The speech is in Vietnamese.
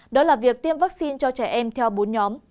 đó là việc tiêm vaccine cho trẻ em theo bốn nhóm